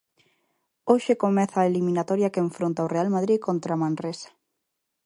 Hoxe comeza a eliminatoria que enfronta o Real Madrid contra Manresa.